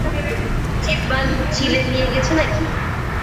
জিহ্বা চিলে নিয়ে গেছে না কি?